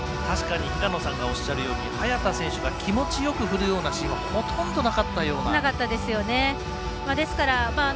確かに平野さんがおっしゃるように早田選手が気持ちよく振るようなシーンはほとんどなかったような。